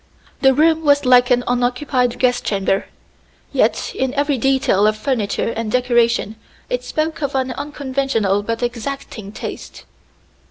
The room was like an unoccupied guest chamber. Yet in every detail of furniture and decoration it spoke of an unconventional but exacting taste.